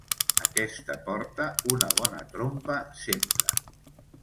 Aquest porta una bona trompa sempre.